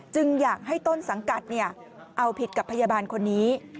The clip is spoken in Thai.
อยากให้ต้นสังกัดเอาผิดกับพยาบาลคนนี้